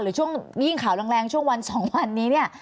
ช่วงยิ่งข่าวแรงช่วงวัน๒วันนี้เนี่ย